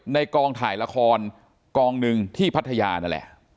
กองถ่ายละครกองหนึ่งที่พัทยานั่นแหละ